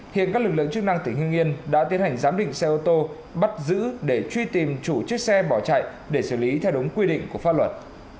hiện các lực lượng chức năng tỉnh hưng yên đã tiến hành giám định xe ô tô bắt giữ để truy tìm chủ chiếc xe bỏ chạy để xử lý theo đúng quy định của pháp luật